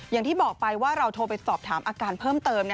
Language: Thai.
อย่างที่บอกไปว่าเราโทรไปสอบถามอาการเพิ่มเติม